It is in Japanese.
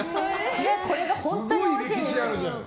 これが本当においしいんですよ。